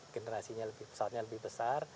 generasinya pesawatnya lebih besar